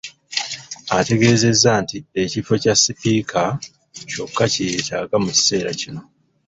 Ategeezezza nti ekifo kya Sipiika kyokka kye yeetaaga mu kiseera kino.